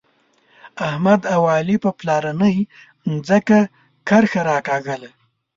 احمد او علي په پلارنۍ ځمکه کرښه راکاږله.